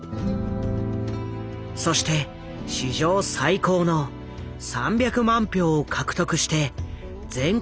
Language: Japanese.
そして史上最高の３００万票を獲得して全国区でトップ当選。